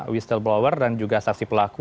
wiesel blower dan juga saksi pelaku